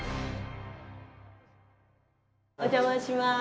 お邪魔します。